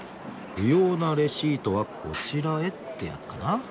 「不要なレシートはこちらへ」ってやつかな？